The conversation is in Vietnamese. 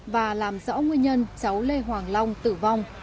và làm rõ nguyên nhân cháu lê hoàng long tử vong